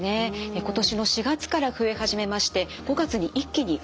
今年の４月から増え始めまして５月に一気に増えました。